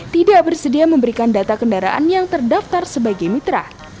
tidak bersedia memberikan data kendaraan yang terdaftar sebagai mitra